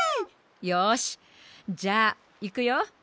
よしじゃあいくよ。